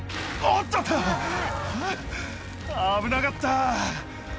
あぁ危なかった。